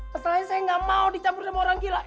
kesalahannya saya nggak mau dicampur sama orang gila